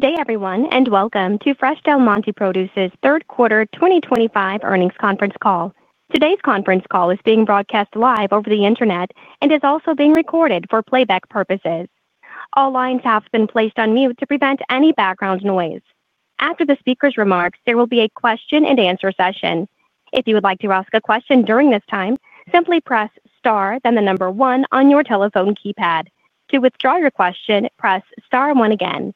Good day, everyone, and welcome to Fresh Del Monte Produce's Third Quarter 2025 Earnings Conference Call. Today's conference call is being broadcast live over the internet and is also being recorded for playback purposes. All lines have been placed on mute to prevent any background noise. After the speaker's remarks, there will be a question and answer session. If you would like to ask a question during this time, simply press star, then the number one on your telephone keypad. To withdraw your question, press star one again.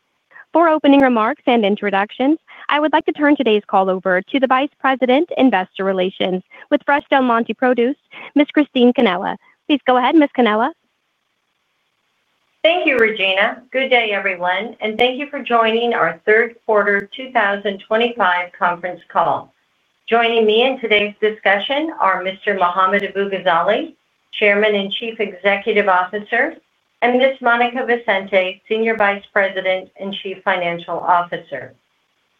For opening remarks and introductions, I would like to turn today's call over to the Vice President of Investor Relations with Fresh Del Monte Produce, Ms. Christine Cannella. Please go ahead, Ms. Cannella. Thank you, Regina. Good day, everyone, and thank you for joining our third quarter 2025 conference call. Joining me in today's discussion are Mr. Mohammad Abu-Ghazaleh, Chairman and Chief Executive Officer, and Ms. Monica Vicente, Senior Vice President and Chief Financial Officer.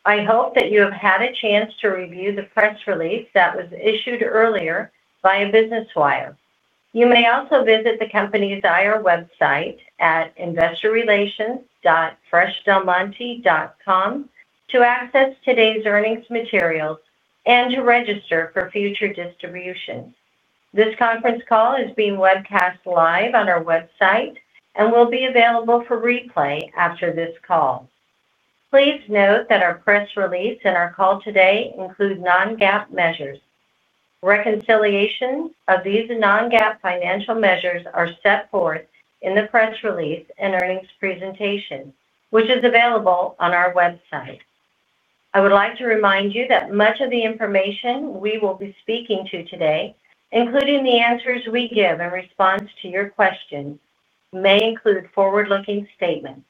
I hope that you have had a chance to review the press release that was issued earlier via Business Wire. You may also visit the company's IR website at investorrelations.freshdelmonte.com to access today's earnings materials and to register for future distributions. This conference call is being webcast live on our website and will be available for replay after this call. Please note that our press release and our call today include non-GAAP measures. Reconciliations of these non-GAAP financial measures are set forth in the press release and earnings presentation, which is available on our website. I would like to remind you that much of the information we will be speaking to today, including the answers we give in response to your questions, may include forward-looking statements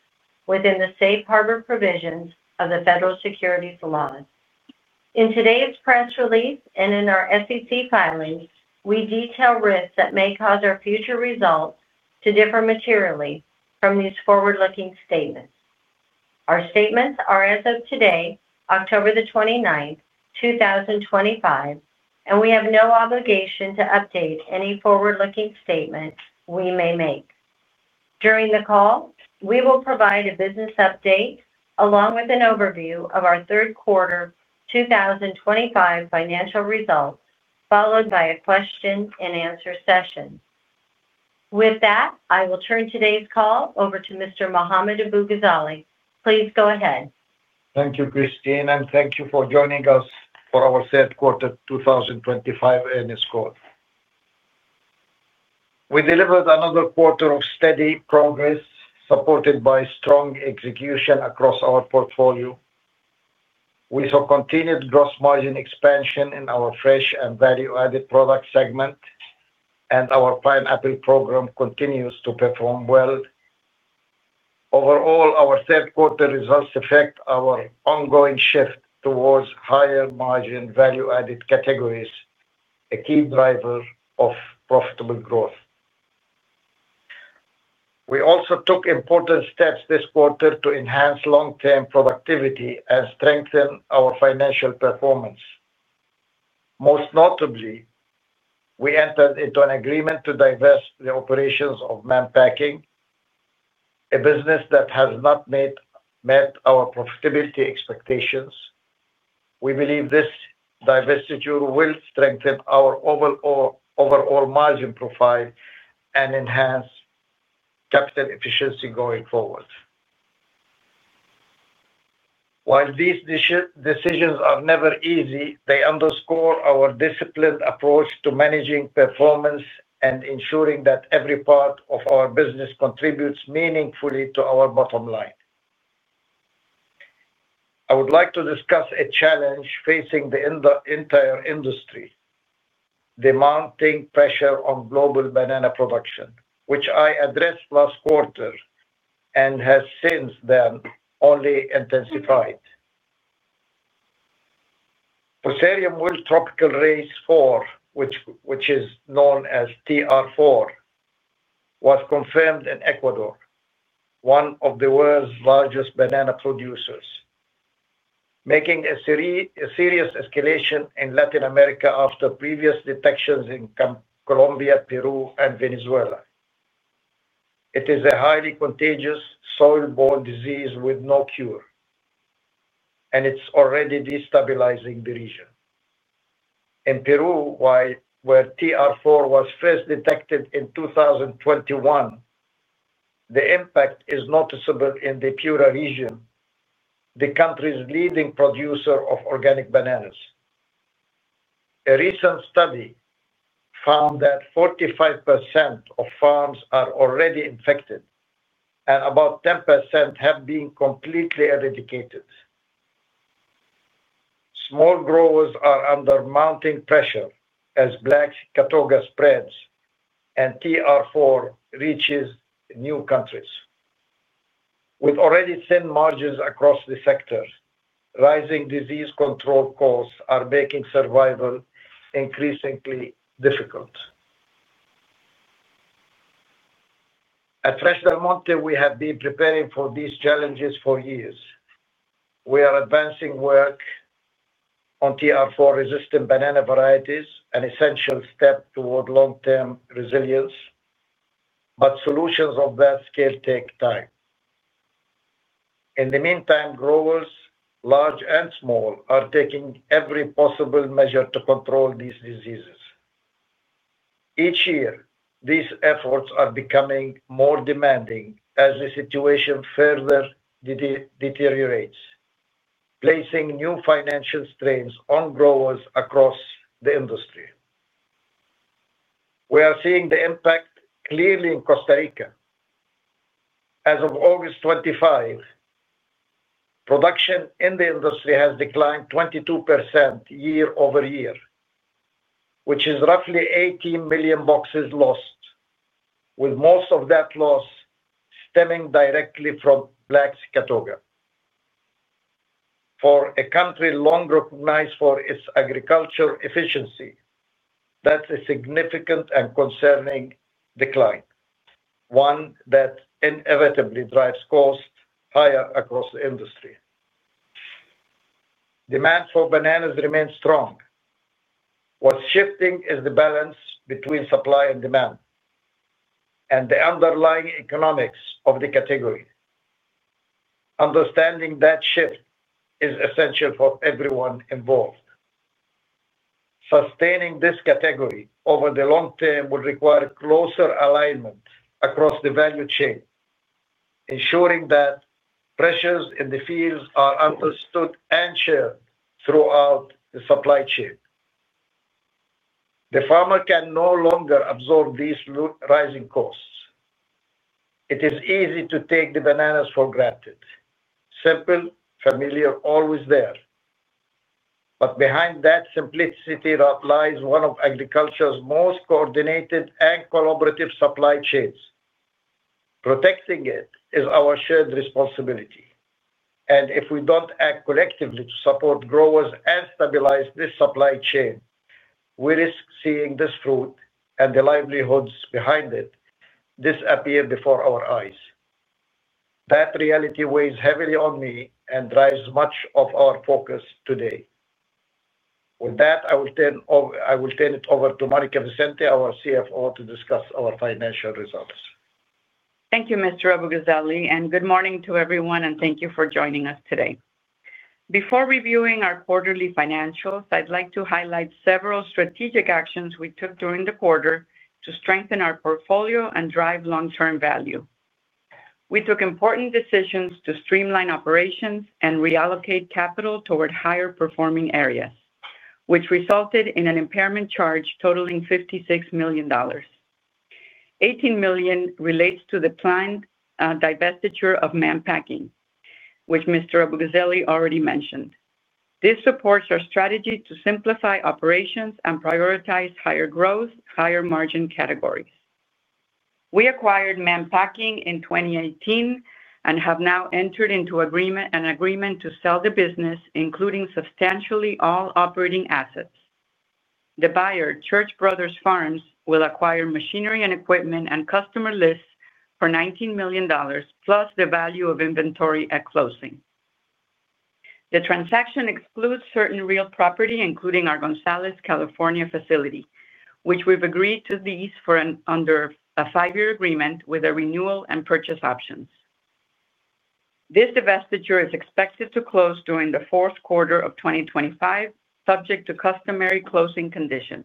within the safe harbor provisions of the Federal Securities Laws. In today's press release and in our SEC filings, we detail risks that may cause our future results to differ materially from these forward-looking statements. Our statements are as of today, October 29, 2025, and we have no obligation to update any forward-looking statement we may make. During the call, we will provide a business update along with an overview of our third quarter 2025 financial results, followed by a question and answer session. With that, I will turn today's call over to Mr. Mohammad Abu-Ghazaleh. Please go ahead. Thank you, Christine, and thank you for joining us for our third quarter 2025 earnings call. We delivered another quarter of steady progress, supported by strong execution across our portfolio. We saw continued gross margin expansion in our fresh and value-added product segment, and our pineapple program continues to perform well. Overall, our third quarter results reflect our ongoing shift towards higher margin value-added categories, a key driver of profitable growth. We also took important steps this quarter to enhance long-term productivity and strengthen our financial performance. Most notably, we entered into an agreement to divest the operations of Mann Packing, a business that has not met our profitability expectations. We believe this divestiture will strengthen our overall margin profile and enhance capital efficiency going forward. While these decisions are never easy, they underscore our disciplined approach to managing performance and ensuring that every part of our business contributes meaningfully to our bottom line. I would like to discuss a challenge facing the entire industry: the mounting pressure on global banana production, which I addressed last quarter and has since then only intensified. Fusarium wilt Tropical Race 4, which is known as TR4, was confirmed in Ecuador, one of the world's largest banana producers, marking a serious escalation in Latin America after previous detections in Colombia, Peru, and Venezuela. It is a highly contagious soil-borne disease with no cure, and it's already destabilizing the region. In Peru, where TR4 was first detected in 2021, the impact is noticeable in the Piura region, the country's leading producer of organic bananas. A recent study found that 45% of farms are already infected, and about 10% have been completely eradicated. Small growers are under mounting pressure as Black Sigatoka spreads and TR4 reaches new countries. With already thin margins across the sector, rising disease control costs are making survival increasingly difficult. At Fresh Del Monte Produce Inc., we have been preparing for these challenges for years. We are advancing work on TR4-resistant banana varieties, an essential step toward long-term resilience, but solutions of that scale take time. In the meantime, growers, large and small, are taking every possible measure to control these diseases. Each year, these efforts are becoming more demanding as the situation further deteriorates, placing new financial strains on growers across the industry. We are seeing the impact clearly in Costa Rica. As of August 25, production in the industry has declined 22% year over year, which is roughly 18 million boxes lost, with most of that loss stemming directly from Black Sigatoka. For a country long recognized for its agricultural efficiency, that's a significant and concerning decline, one that inevitably drives costs higher across the industry. Demand for bananas remains strong. What's shifting is the balance between supply and demand and the underlying economics of the category. Understanding that shift is essential for everyone involved. Sustaining this category over the long term will require closer alignment across the value chain, ensuring that pressures in the fields are understood and shared throughout the supply chain. The farmer can no longer absorb these rising costs. It is easy to take the bananas for granted. Simple, familiar, always there. Behind that simplicity lies one of agriculture's most coordinated and collaborative supply chains. Protecting it is our shared responsibility. If we don't act collectively to support growers and stabilize this supply chain, we risk seeing this fruit and the livelihoods behind it disappear before our eyes. That reality weighs heavily on me and drives much of our focus today. With that, I will turn it over to Monica Vicente, our CFO, to discuss our financial results. Thank you, Mr. Abu-Ghazaleh, and good morning to everyone, and thank you for joining us today. Before reviewing our quarterly financials, I'd like to highlight several strategic actions we took during the quarter to strengthen our portfolio and drive long-term value. We took important decisions to streamline operations and reallocate capital toward higher performing areas, which resulted in an impairment charge totaling $56 million. $18 million relates to the planned divestiture of Mann Packing, which Mr. Abu-Ghazaleh already mentioned. This supports our strategy to simplify operations and prioritize higher growth, higher margin categories. We acquired Mann Packing in 2018 and have now entered into an agreement to sell the business, including substantially all operating assets. The buyer, Church Brothers Farms, will acquire machinery and equipment and customer lists for $19 million, plus the value of inventory at closing. The transaction excludes certain real property, including our Gonzales, California, facility, which we've agreed to lease under a five-year agreement with renewal and purchase options. This divestiture is expected to close during the fourth quarter of 2025, subject to customary closing conditions.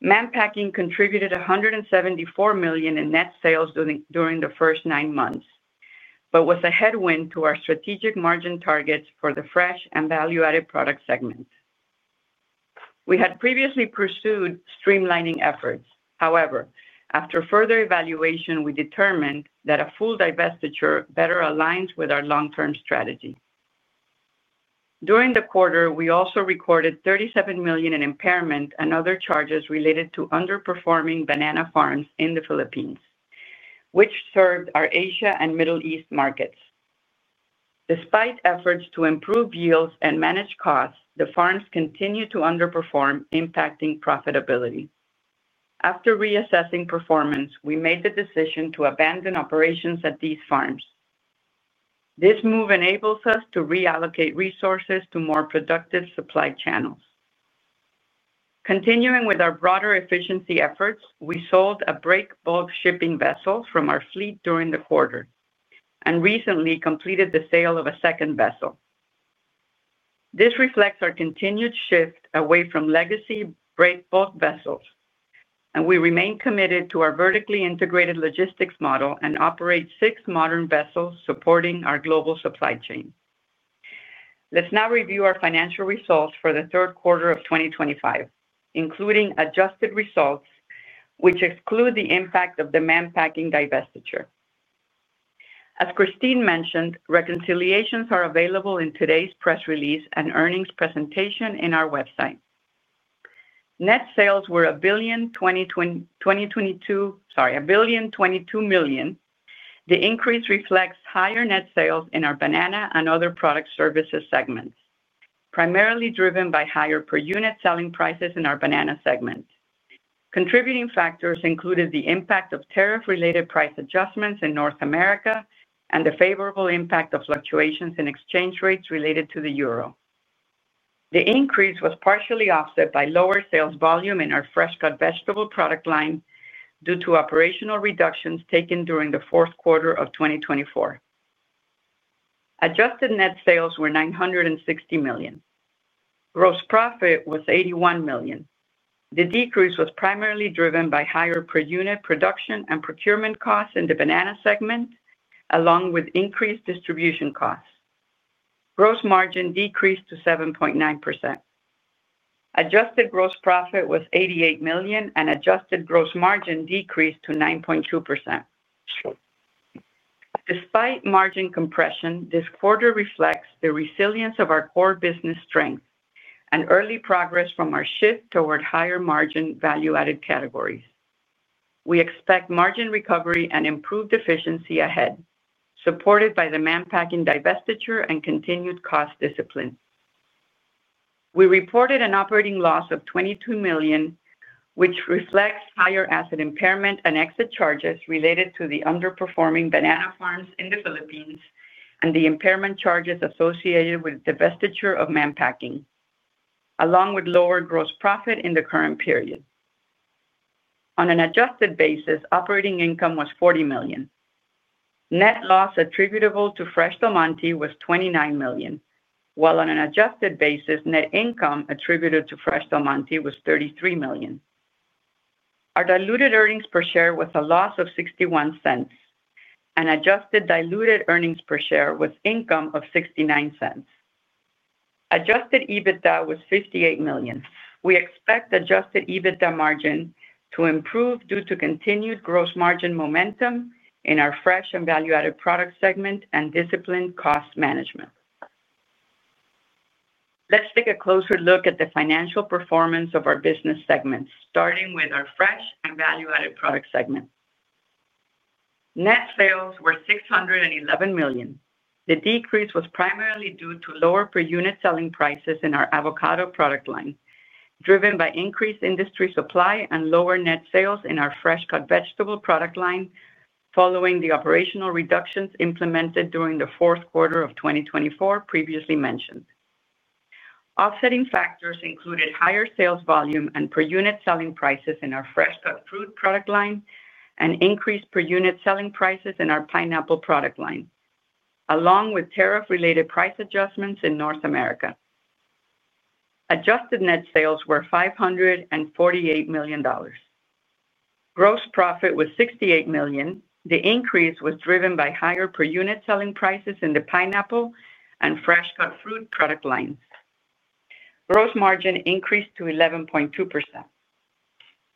Mann Packing contributed $174 million in net sales during the first nine months, but was a headwind to our strategic margin targets for the fresh and value-added product segment. We had previously pursued streamlining efforts. However, after further evaluation, we determined that a full divestiture better aligns with our long-term strategy. During the quarter, we also recorded $37 million in impairment and other charges related to underperforming banana farms in the Philippines, which served our Asia and Middle East markets. Despite efforts to improve yields and manage costs, the farms continued to underperform, impacting profitability. After reassessing performance, we made the decision to abandon operations at these farms. This move enables us to reallocate resources to more productive supply channels. Continuing with our broader efficiency efforts, we sold a break bulk shipping vessel from our fleet during the quarter and recently completed the sale of a second vessel. This reflects our continued shift away from legacy break bulk vessels, and we remain committed to our vertically integrated logistics model and operate six modern vessels supporting our global supply chain. Let's now review our financial results for the third quarter of 2025, including adjusted results, which exclude the impact of the Mann Packing divestiture. As Christine mentioned, reconciliations are available in today's press release and earnings presentation on our website. Net sales were $1.022 billion. The increase reflects higher net sales in our banana and other product services segments, primarily driven by higher per unit selling prices in our banana segment. Contributing factors included the impact of tariff-related price adjustments in North America and the favorable impact of fluctuations in exchange rates related to the euro. The increase was partially offset by lower sales volume in our fresh-cut vegetable product line due to operational reductions taken during the fourth quarter of 2024. Adjusted net sales were $960 million. Gross profit was $81 million. The decrease was primarily driven by higher per unit production and procurement costs in the banana segment, along with increased distribution costs. Gross margin decreased to 7.9%. Adjusted gross profit was $88 million, and adjusted gross margin decreased to 9.2%. Despite margin compression, this quarter reflects the resilience of our core business strength and early progress from our shift toward higher margin value-added categories. We expect margin recovery and improved efficiency ahead, supported by the Mann Packing divestiture and continued cost discipline. We reported an operating loss of $22 million, which reflects higher asset impairment and exit charges related to the underperforming banana farms in the Philippines and the impairment charges associated with the divestiture of Mann Packing, along with lower gross profit in the current period. On an adjusted basis, operating income was $40 million. Net loss attributable to Fresh Del Monte Produce Inc. was $29 million, while on an adjusted basis, net income attributable to Fresh Del Monte Produce Inc. was $33 million. Our diluted earnings per share was a loss of $0.61, and adjusted diluted earnings per share was an income of $0.69. Adjusted EBITDA was $58 million. We expect adjusted EBITDA margin to improve due to continued gross margin momentum in our fresh and value-added product segment and disciplined cost management. Let's take a closer look at the financial performance of our business segments, starting with our fresh and value-added product segment. Net sales were $611 million. The decrease was primarily due to lower per unit selling prices in our avocado product line, driven by increased industry supply and lower net sales in our fresh-cut vegetable product line, following the operational reductions implemented during the fourth quarter of 2024 previously mentioned. Offsetting factors included higher sales volume and per unit selling prices in our fresh-cut fruit product line and increased per unit selling prices in our pineapple product line, along with tariff-related price adjustments in North America. Adjusted net sales were $548 million. Gross profit was $68 million. The increase was driven by higher per unit selling prices in the pineapple and fresh-cut fruit product lines. Gross margin increased to 11.2%.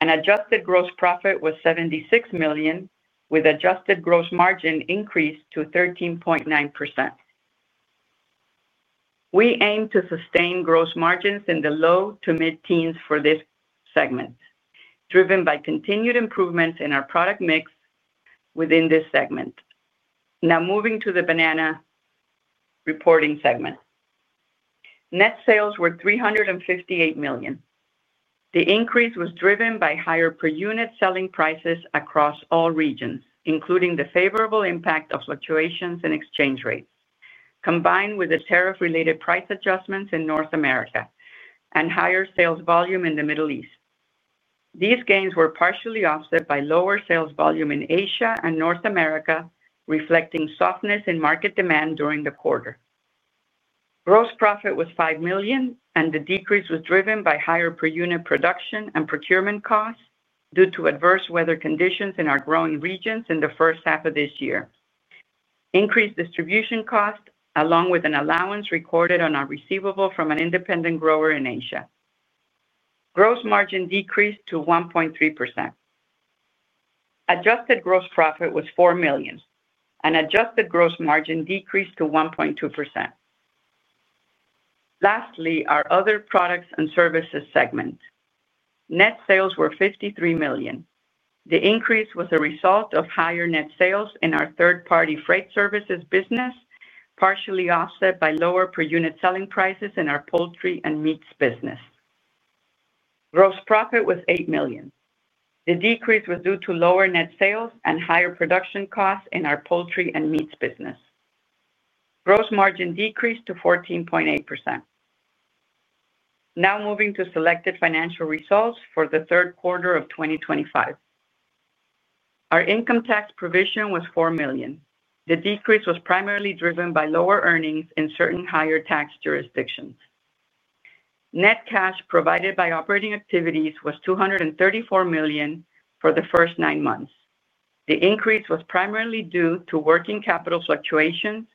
Adjusted gross profit was $76 million, with adjusted gross margin increased to 13.9%. We aim to sustain gross margins in the low to mid-teens for this segment, driven by continued improvements in our product mix within this segment. Now moving to the banana reporting segment. Net sales were $358 million. The increase was driven by higher per unit selling prices across all regions, including the favorable impact of fluctuations in exchange rates, combined with the tariff-related price adjustments in North America and higher sales volume in the Middle East. These gains were partially offset by lower sales volume in Asia and North America, reflecting softness in market demand during the quarter. Gross profit was $5 million, and the decrease was driven by higher per unit production and procurement costs due to adverse weather conditions in our growing regions in the first half of this year. Increased distribution costs, along with an allowance recorded on our receivable from an independent grower in Asia. Gross margin decreased to 1.3%. Adjusted gross profit was $4 million. Adjusted gross margin decreased to 1.2%. Lastly, our other products and services segment. Net sales were $53 million. The increase was a result of higher net sales in our third-party freight services business, partially offset by lower per unit selling prices in our poultry and meats business. Gross profit was $8 million. The decrease was due to lower net sales and higher production costs in our poultry and meats business. Gross margin decreased to 14.8%. Now moving to selected financial results for the third quarter of 2025. Our income tax provision was $4 million. The decrease was primarily driven by lower earnings in certain higher tax jurisdictions. Net cash provided by operating activities was $234 million for the first nine months. The increase was primarily due to working capital fluctuations,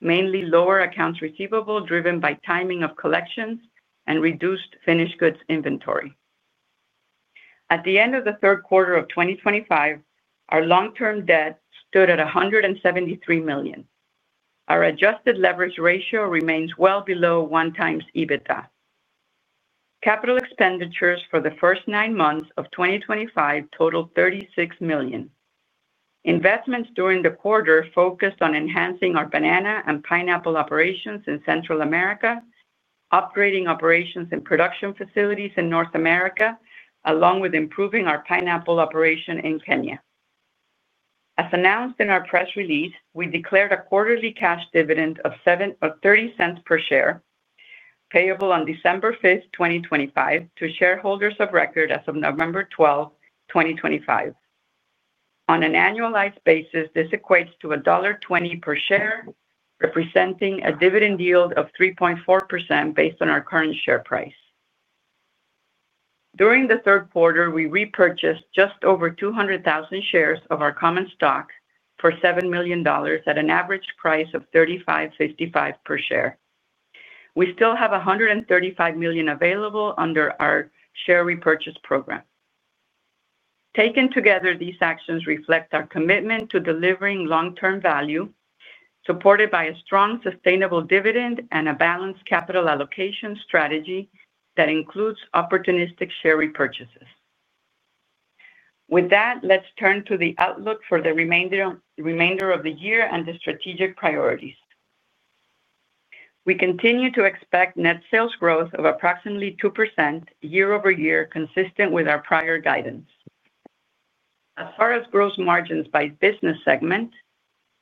mainly lower accounts receivable driven by timing of collections and reduced finished goods inventory. At the end of the third quarter of 2025, our long-term debt stood at $173 million. Our adjusted leverage ratio remains well below one times EBITDA. Capital expenditures for the first nine months of 2025 totaled $36 million. Investments during the quarter focused on enhancing our banana and pineapple operations in Central America, upgrading operations and production facilities in North America, along with improving our pineapple operation in Kenya. As announced in our press release, we declared a quarterly cash dividend of $0.30 per share, payable on December 5, 2025, to shareholders of record as of November 12, 2025. On an annualized basis, this equates to $1.20 per share, representing a dividend yield of 3.4% based on our current share price. During the third quarter, we repurchased just over 200,000 shares of our common stock for $7 million at an average price of $35.65 per share. We still have $135 million available under our share repurchase program. Taken together, these actions reflect our commitment to delivering long-term value, supported by a strong sustainable dividend and a balanced capital allocation strategy that includes opportunistic share repurchases. With that, let's turn to the outlook for the remainder of the year and the strategic priorities. We continue to expect net sales growth of approximately 2% year over year, consistent with our prior guidance. As far as gross margins by business segment,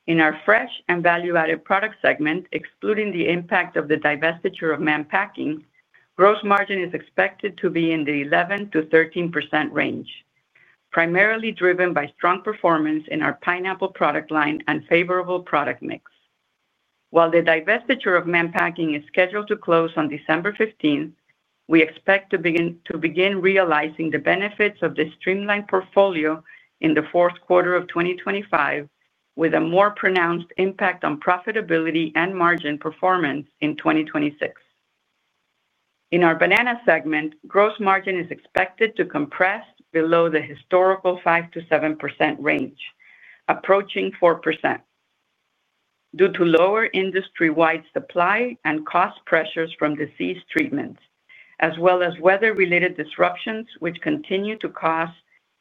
in our fresh and value-added product segment, excluding the impact of the divestiture of Mann Packing, gross margin is expected to be in the 11%-13% range, primarily driven by strong performance in our pineapple product line and favorable product mix. While the divestiture of Mann Packing is scheduled to close on December 15, we expect to begin realizing the benefits of this streamlined portfolio in the fourth quarter of 2025, with a more pronounced impact on profitability and margin performance in 2026. In our banana segment, gross margin is expected to compress below the historical 5%-7% range, approaching 4%, due to lower industry-wide supply and cost pressures from disease treatments, as well as weather-related disruptions, which continue to cause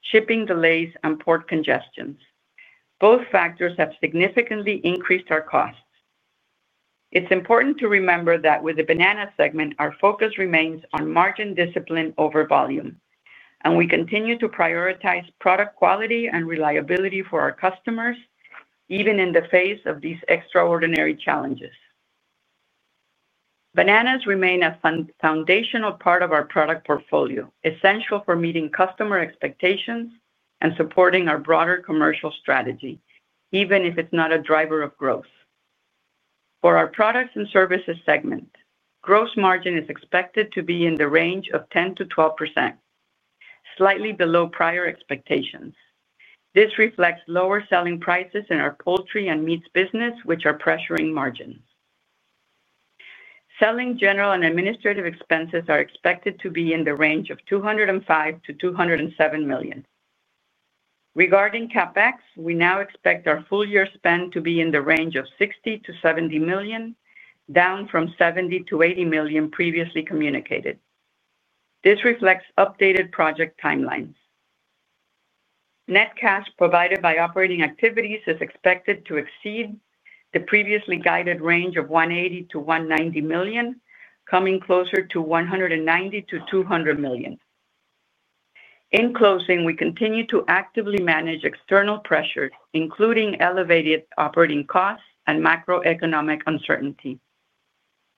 shipping delays and port congestions. Both factors have significantly increased our costs. It's important to remember that with the banana segment, our focus remains on margin discipline over volume, and we continue to prioritize product quality and reliability for our customers, even in the face of these extraordinary challenges. Bananas remain a foundational part of our product portfolio, essential for meeting customer expectations and supporting our broader commercial strategy, even if it's not a driver of growth. For our products and services segment, gross margin is expected to be in the range of 10%-12%, slightly below prior expectations. This reflects lower selling prices in our poultry and meats business, which are pressuring margins. Selling, general, and administrative expenses are expected to be in the range of $205 million-$207 million. Regarding CapEx, we now expect our full-year spend to be in the range of $60 million-$70 million, down from $70 million-$80 million previously communicated. This reflects updated project timelines. Net cash provided by operating activities is expected to exceed the previously guided range of $180 million-$190 million, coming closer to $190 million-$200 million. In closing, we continue to actively manage external pressures, including elevated operating costs and macroeconomic uncertainty.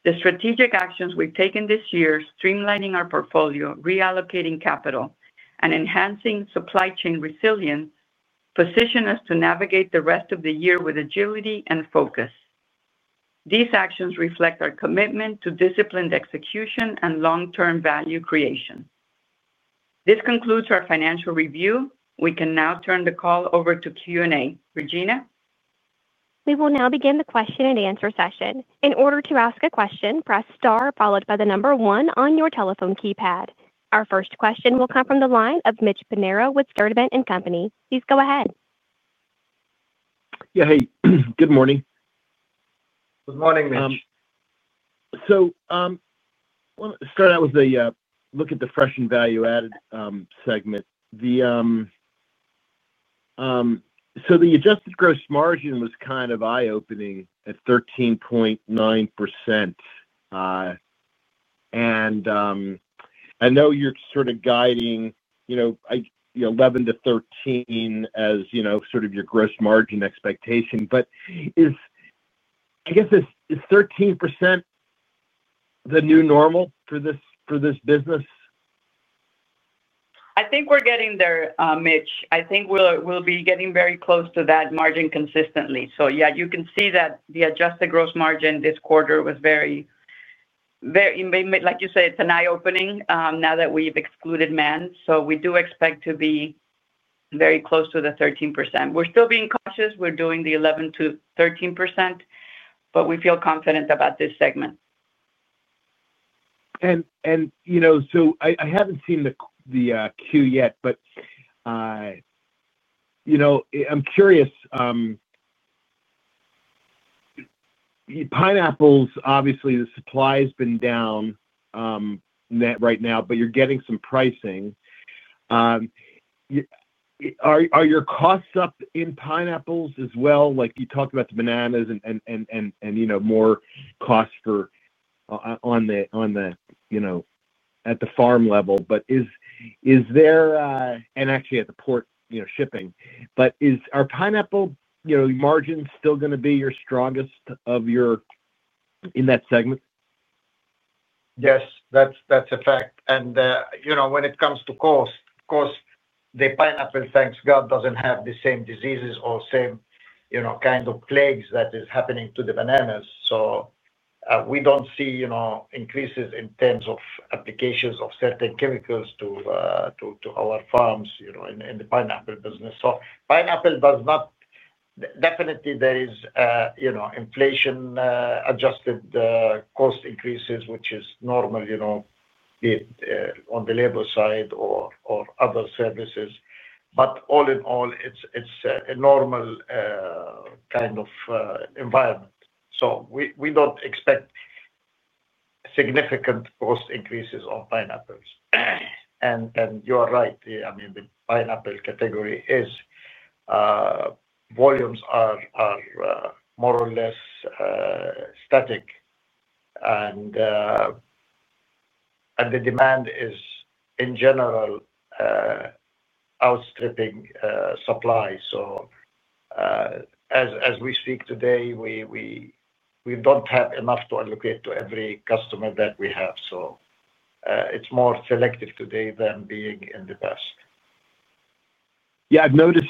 The strategic actions we've taken this year, streamlining our portfolio, reallocating capital, and enhancing supply chain resilience, position us to navigate the rest of the year with agility and focus. These actions reflect our commitment to disciplined execution and long-term value creation. This concludes our financial review. We can now turn the call over to Q&A. Regina? We will now begin the question and answer session. In order to ask a question, press star followed by the number one on your telephone keypad. Our first question will come from the line of Mitchell Pinheiro with Skurdivant & Co. Please go ahead. Yeah, hey, good morning. Good morning, Mitch. I want to start out with a look at the fresh and value-added segment. The adjusted gross margin was kind of eye-opening at 13.9%. I know you're sort of guiding 11%-13% as your gross margin expectation. Is 13% the new normal for this business? I think we're getting there, Mitch. I think we'll be getting very close to that margin consistently. You can see that the adjusted gross margin this quarter was very, very, like you said, it's an eye-opener now that we've excluded Mann. We do expect to be very close to the 13%. We're still being cautious. We're doing the 11%-13%, but we feel confident about this segment. I haven't seen the queue yet, but I'm curious. Pineapples, obviously, the supply has been down right now, but you're getting some pricing. Are your costs up in pineapples as well? Like you talked about the bananas and more costs for on the, at the farm level, but is there, and actually at the port, shipping, but is our pineapple margin still going to be your strongest of your in that segment? Yes, that's a fact. You know, when it comes to cost, the pineapple, thank God, doesn't have the same diseases or the same kind of plagues that are happening to the bananas. We don't see increases in terms of applications of certain chemicals to our farms in the pineapple business. Pineapple does not, definitely, there are inflation-adjusted cost increases, which is normal, be it on the labor side or other services. All in all, it's a normal kind of environment. We don't expect significant cost increases on pineapples. You are right. The pineapple category volumes are more or less static, and the demand is, in general, outstripping supply. As we speak today, we don't have enough to allocate to every customer that we have. It's more selective today than it has been in the past. Yeah, I've noticed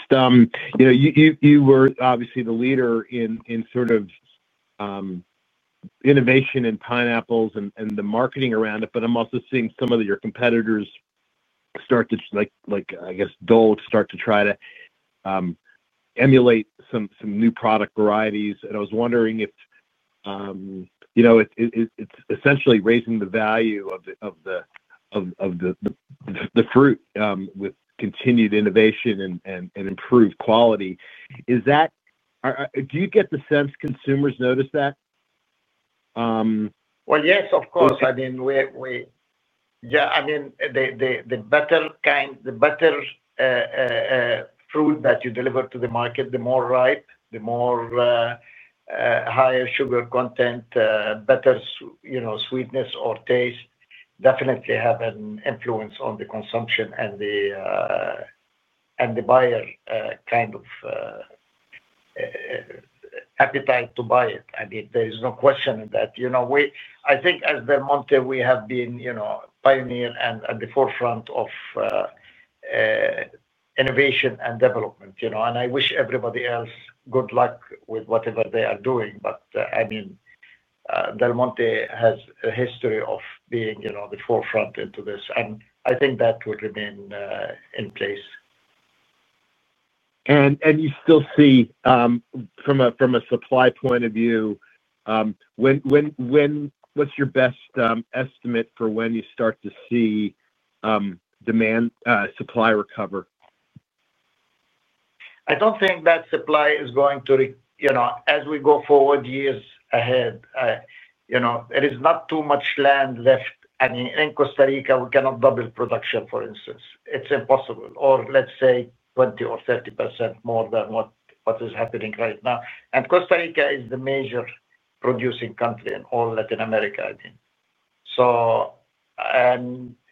you were obviously the leader in sort of innovation in pineapples and the marketing around it, but I'm also seeing some of your competitors start to try to emulate some new product varieties. I was wondering if it's essentially raising the value of the fruit with continued innovation and improved quality. Do you get the sense consumers notice that? Of course. The better kind, the better fruit that you deliver to the market, the more ripe, the higher sugar content, better sweetness or taste, definitely have an influence on the consumption and the buyer kind of appetite to buy it. There is no question that, as Del Monte, we have been pioneer and at the forefront of innovation and development. I wish everybody else good luck with whatever they are doing. Del Monte has a history of being the forefront into this, and I think that would remain in place. Do you still see, from a supply point of view, what's your best estimate for when you start to see demand and supply recover? I don't think that supply is going to, you know, as we go forward years ahead, there is not too much land left. I mean, in Costa Rica, we cannot double production, for instance. It's impossible. Or let's say 20% or 30% more than what is happening right now. Costa Rica is the major producing country in all Latin America, I mean.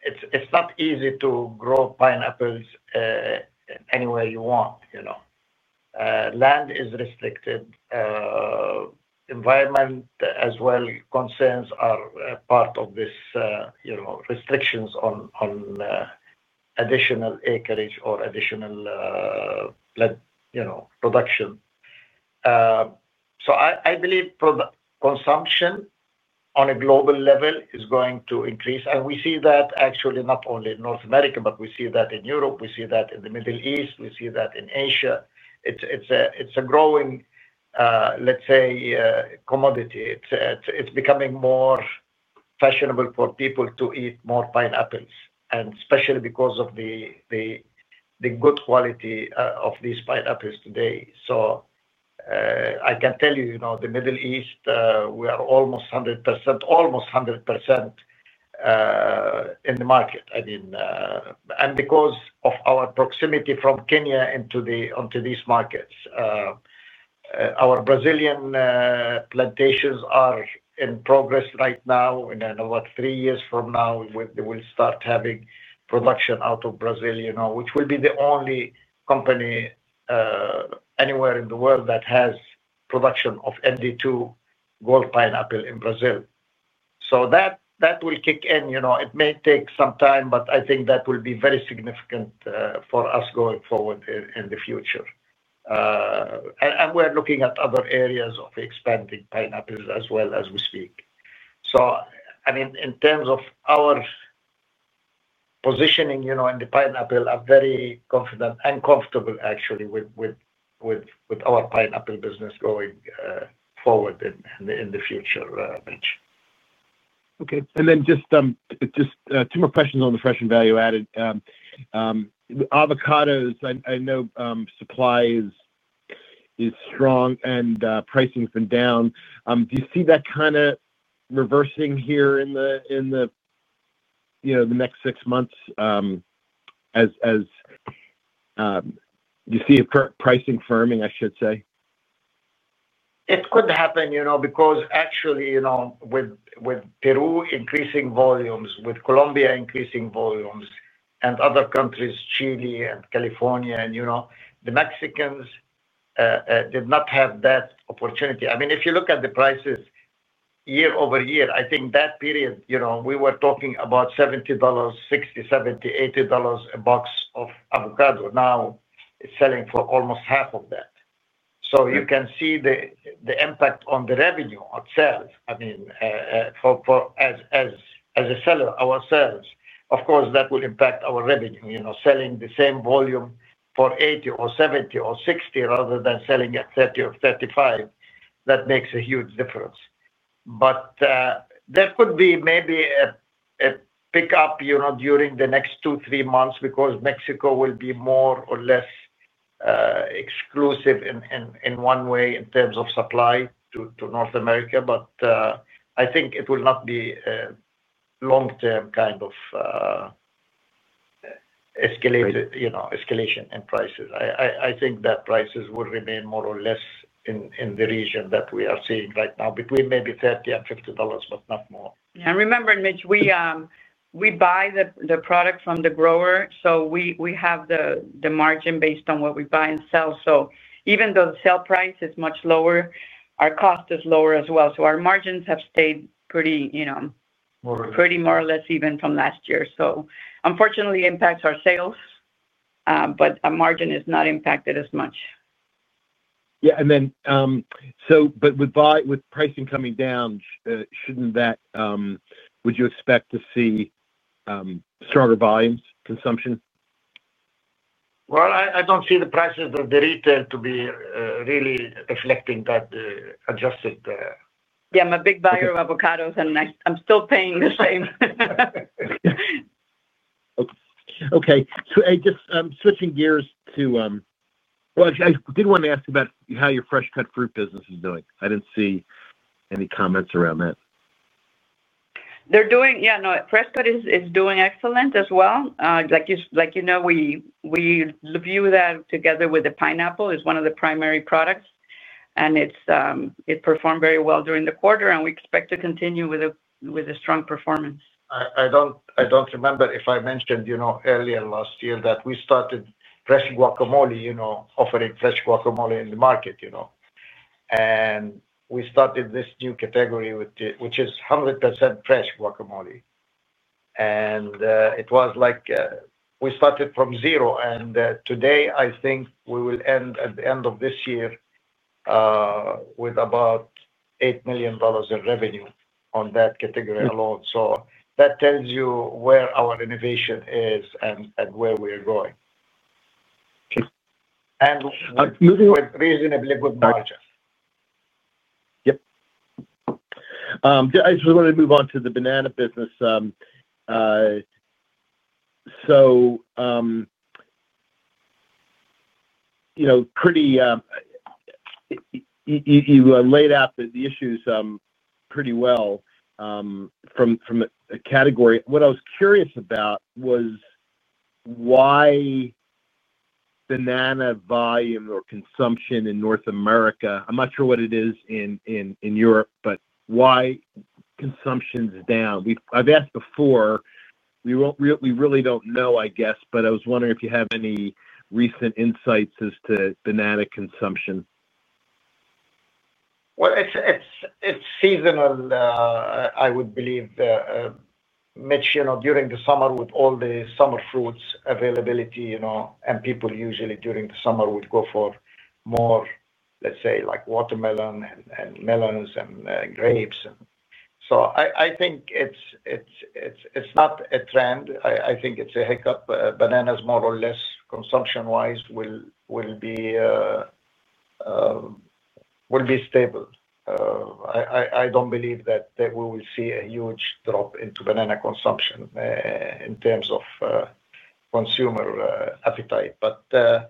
It's not easy to grow pineapples anywhere you want, you know. Land is restricted. Environment as well, concerns are part of this, you know, restrictions on additional acreage or additional production. I believe consumption on a global level is going to increase. We see that actually not only in North America, but we see that in Europe. We see that in the Middle East. We see that in Asia. It's a growing, let's say, commodity. It's becoming more fashionable for people to eat more pineapples, and especially because of the good quality of these pineapples today. I can tell you, you know, the Middle East, we are almost 100%, almost 100%, in the market. I mean, and because of our proximity from Kenya into these markets, our Brazilian plantations are in progress right now. I know about three years from now, they will start having production out of Brazil, you know, which will be the only company anywhere in the world that has production of MD2 golden pineapple in Brazil. That will kick in. It may take some time, but I think that will be very significant for us going forward in the future. We're looking at other areas of expanding pineapples as well as we speak. In terms of our positioning in the pineapple, I'm very confident and comfortable, actually, with our pineapple business going forward in the future, Mitch. Okay. Just two more questions on the fresh and value-added. Avocados, I know supply is strong and pricing's been down. Do you see that kind of reversing here in the, you know, the next six months? As, as, do you see a pricing firming, I should say? It could happen, you know, because actually, with Peru increasing volumes, with Colombia increasing volumes, and other countries, Chile and California, and the Mexicans did not have that opportunity. I mean, if you look at the prices year over year, I think that period, we were talking about $70-$80 a box of avocado. Now it's selling for almost half of that. You can see the impact on the revenue of sales. For us as a seller, of course, that will impact our revenue. Selling the same volume for $80 or $70 or $60 rather than selling at $30 or $35, that makes a huge difference. There could be maybe a pickup during the next two, three months because Mexico will be more or less exclusive in one way in terms of supply to North America. I think it will not be a long-term kind of escalation in prices. I think that prices will remain more or less in the region that we are seeing right now between maybe $30 and $50, but not more. Yeah, remember, Mitch, we buy the product from the grower. We have the margin based on what we buy and sell. Even though the sale price is much lower, our cost is lower as well. Our margins have stayed pretty, you know, more or less even from last year. Unfortunately, it impacts our sales, but a margin is not impacted as much. With pricing coming down, shouldn't that, would you expect to see stronger volumes consumption? I don't see the prices of the retail to be really reflecting that adjusted. Yeah, I'm a big buyer of avocados and I'm still paying the same. Okay. I'm switching gears to, I did want to ask about how your fresh-cut fruit business is doing. I didn't see any comments around that. They're doing. Yeah, no, fresh-cut is doing excellent as well. Like you know, we review that together with the pineapple as one of the primary products. It performed very well during the quarter, and we expect to continue with a strong performance. I don't remember if I mentioned earlier last year that we started fresh guacamole, you know, offering fresh guacamole in the market. We started this new category, which is 100% fresh guacamole. It was like we started from zero. Today, I think we will end at the end of this year with about $8 million in revenue on that category alone. That tells you where our innovation is and where we are going. Okay. With reasonably good margin. I just want to move on to the banana business. You laid out the issues pretty well from a category. What I was curious about was why banana volume or consumption in North America, I'm not sure what it is in Europe, but why consumption is down. I've asked before, we really don't know, I guess, but I was wondering if you have any recent insights as to banana consumption. It's seasonal, I would believe. Mitch, during the summer with all the summer fruits availability, people usually during the summer would go for more, let's say, like watermelon and melons and grapes. I think it's not a trend. I think it's a hiccup. Bananas more or less consumption-wise will be stable. I don't believe that we will see a huge drop into banana consumption in terms of consumer appetite. The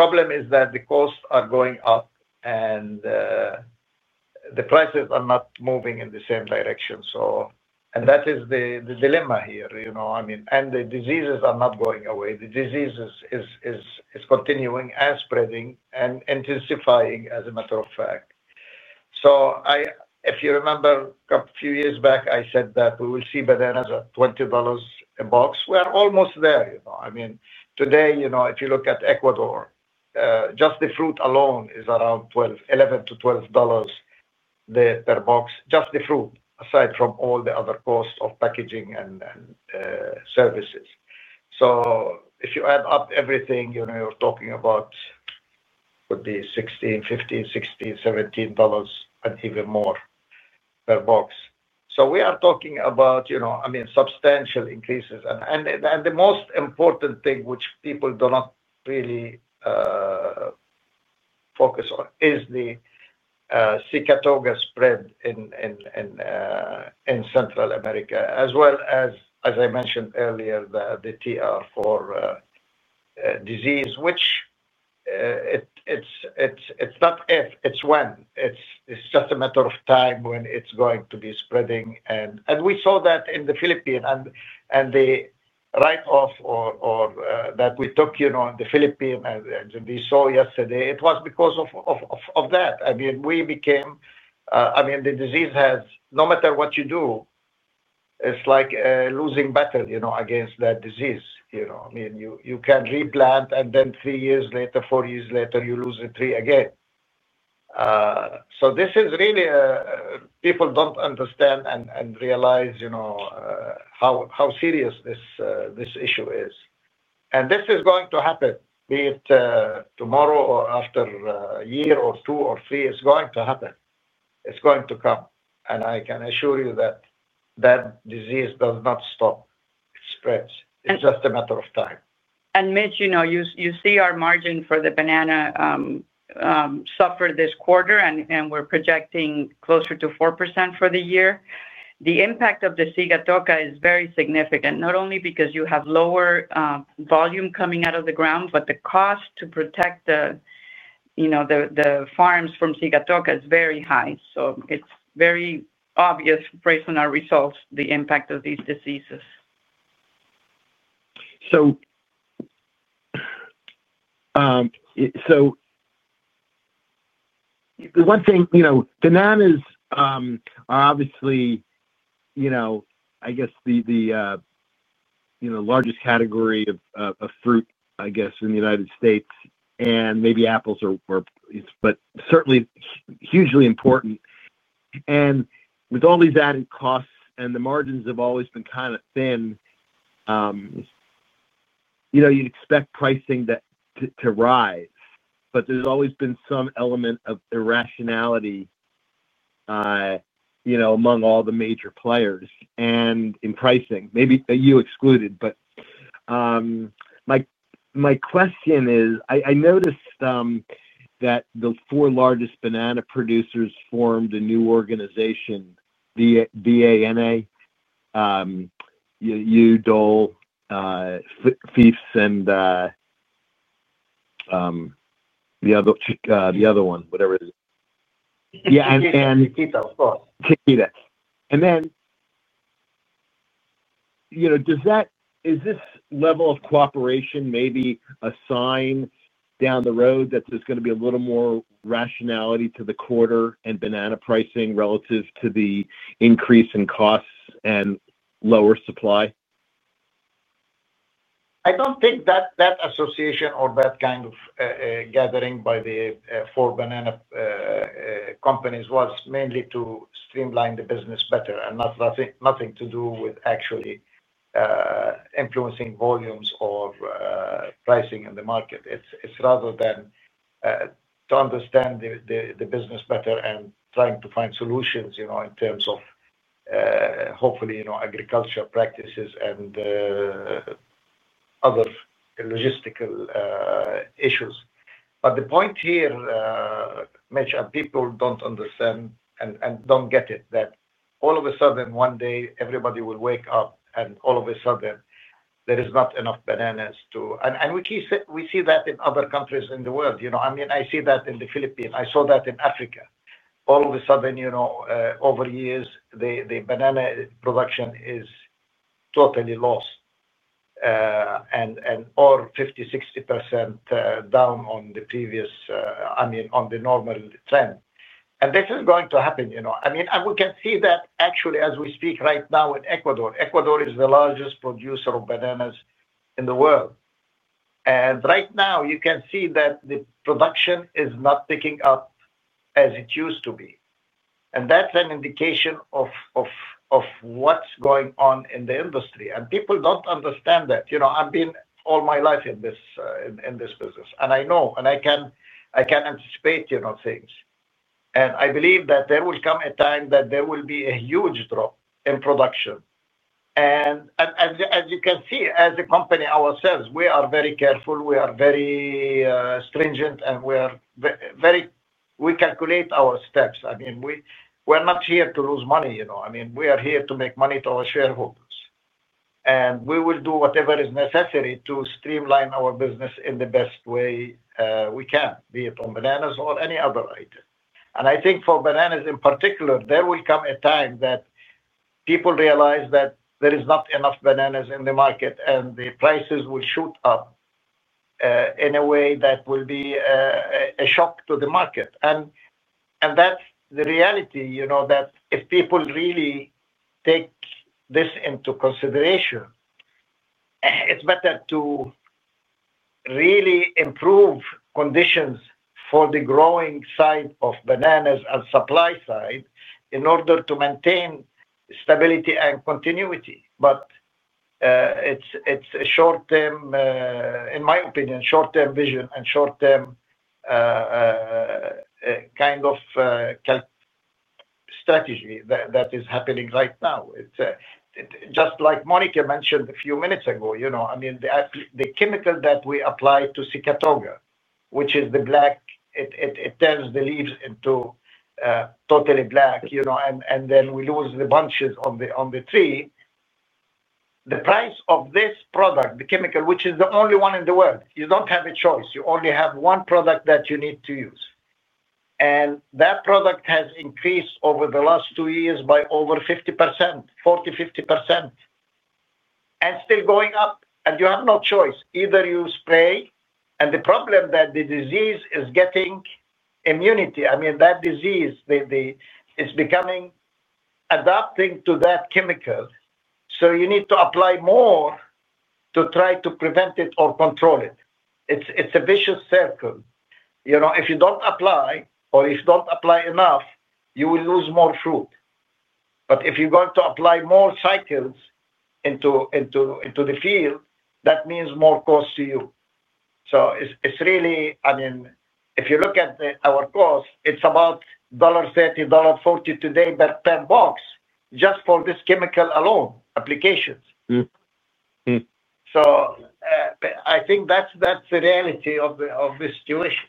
problem is that the costs are going up and the prices are not moving in the same direction. That is the dilemma here. The diseases are not going away. The diseases are continuing and spreading and intensifying as a matter of fact. If you remember a few years back, I said that we will see bananas at $20 a box. We are almost there. Today, if you look at Ecuador, just the fruit alone is around $11-$12 per box, just the fruit, aside from all the other costs of packaging and services. If you add up everything, you're talking about it would be $15-$17, and even more per box. We are talking about substantial increases. The most important thing which people do not really focus on is the Black Sigatoka spread in Central America, as well as, as I mentioned earlier, the Fusarium wilt TR4 disease, which it's not if, it's when. It's just a matter of time when it's going to be spreading. We saw that in the Philippines. The write-off that we took in the Philippines, as we saw yesterday, it was because of that. The disease has, no matter what you do, it's like a losing battle against that disease. You can replant, and then three years later, four years later, you lose it again. People don't understand and realize how serious this issue is. This is going to happen, be it tomorrow or after a year or two or three. It's going to happen. It's going to come. I can assure you that that disease does not stop. It spreads. It's just a matter of time. Mitch, you know, you see our margin for the banana suffer this quarter, and we're projecting closer to 4% for the year. The impact of the Black Sigatoka is very significant, not only because you have lower volume coming out of the ground, but the cost to protect the farms from Black Sigatoka is very high. It's very obvious based on our results, the impact of these diseases. Bananas are obviously, I guess, the largest category of fruit in the United States, and maybe apples are, but certainly hugely important. With all these added costs and the margins have always been kind of thin, you'd expect pricing to rise. There's always been some element of irrationality among all the major players in pricing. Maybe you excluded, but my question is, I noticed that the four largest banana producers formed a new organization, BANA, UDOL, FIEFS, and the other one, whatever it is. Yeah, and KITA, of course. Does that, is this level of cooperation maybe a sign down the road that there's going to be a little more rationality to the quarter and banana pricing relative to the increase in costs and lower supply? I don't think that that association or that kind of gathering by the four banana companies was mainly to streamline the business better and nothing to do with actually influencing volumes or pricing in the market. It's rather to understand the business better and trying to find solutions, in terms of hopefully agricultural practices and other logistical issues. The point here, Mitch, and people don't understand and don't get it, that all of a sudden, one day, everybody will wake up and all of a sudden, there is not enough bananas to, and we see that in other countries in the world. I see that in the Philippines. I saw that in Africa. All of a sudden, over years, the banana production is totally lost and/or 50%-60% down on the previous, on the normal trend. This is going to happen. We can see that actually as we speak right now in Ecuador. Ecuador is the largest producer of bananas in the world. Right now, you can see that the production is not picking up as it used to be. That's an indication of what's going on in the industry. People don't understand that. I've been all my life in this business. I know, and I can anticipate things. I believe that there will come a time that there will be a huge drop in production. As you can see, as a company ourselves, we are very careful. We are very stringent, and we are very, we calculate our steps. We're not here to lose money. We are here to make money to our shareholders. We will do whatever is necessary to streamline our business in the best way we can, be it on bananas or any other item. I think for bananas in particular, there will come a time that people realize that there is not enough bananas in the market and the prices will shoot up in a way that will be a shock to the market. That's the reality, that if people really take this into consideration, it's better to really improve conditions for the growing side of bananas and supply side in order to maintain stability and continuity. It's a short-term, in my opinion, short-term vision and short-term kind of strategy that is happening right now. It's just like Monica mentioned a few minutes ago. I mean, the chemical that we apply to Black Sigatoka, which is the black, it turns the leaves into totally black, you know, and then we lose the bunches on the tree. The price of this product, the chemical, which is the only one in the world, you don't have a choice. You only have one product that you need to use. That product has increased over the last two years by over 50%, 40%-50%, and still going up. You have no choice. Either you spray, the problem is that the disease is getting immunity. I mean, that disease, it's becoming adapting to that chemical. You need to apply more to try to prevent it or control it. It's a vicious circle. If you don't apply or if you don't apply enough, you will lose more fruit. If you're going to apply more cycles into the field, that means more cost to you. It's really, I mean, if you look at our cost, it's about $1.30-$1.40 today per box just for this chemical alone applications. I think that's the reality of the situation.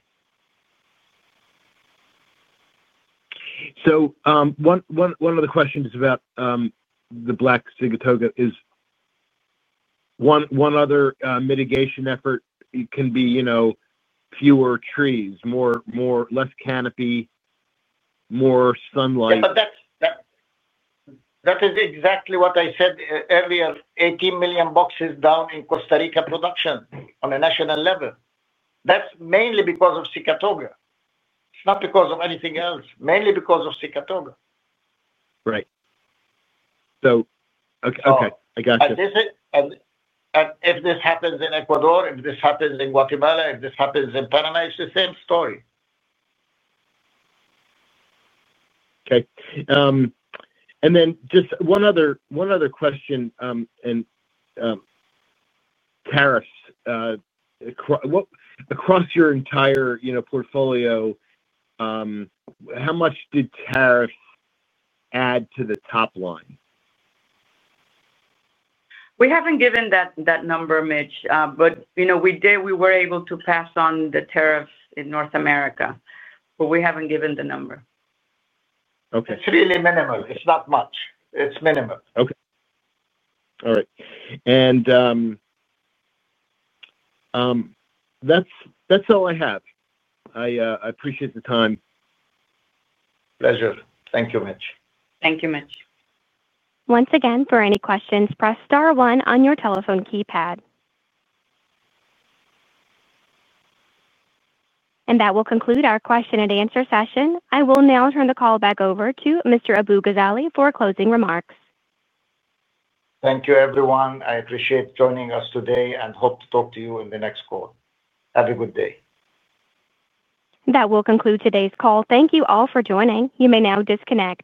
One of the questions is about the Black Sigatoka. Is one other mitigation effort? It can be, you know, fewer trees, more less canopy, more sunlight. That is exactly what I said earlier. 18 million boxes down in Costa Rica production on a national level. That's mainly because of Black Sigatoka. It's not because of anything else, mainly because of Black Sigatoka. Right. Okay, okay, I got you. If this happens in Ecuador, if this happens in Guatemala, if this happens in Panama, it's the same story. Okay. Just one other question on tariffs. Across your entire portfolio, how much did tariffs add to the top line? We haven't given that number, Mitch. You know, we did, we were able to pass on the tariffs in North America, but we haven't given the number. Okay. It's really minimal. It's not much; it's minimal. All right. That's all I have. I appreciate the time. Pleasure. Thank you, Mitch. Thank you, Mitch. Once again, for any questions, press star one on your telephone keypad. That will conclude our question and answer session. I will now turn the call back over to Mr. Abu-Ghazaleh for closing remarks. Thank you, everyone. I appreciate joining us today and hope to talk to you in the next call. Have a good day. That will conclude today's call. Thank you all for joining. You may now disconnect.